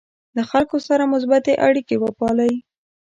له خلکو سره مثبتې اړیکې وپالئ.